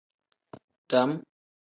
Dam.